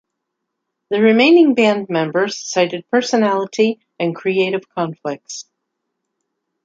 The remaining band members cited personality and creative conflicts.